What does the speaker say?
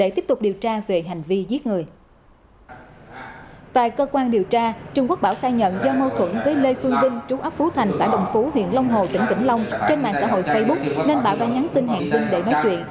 tại cơ quan điều tra trần quốc bảo khai nhận do mâu thuẫn với lê phương vinh trú ấp phú thành xã đồng phú huyện long hồ tỉnh vĩnh long trên mạng xã hội facebook nên bảo đã nhắn tin hẹn vinh để nói chuyện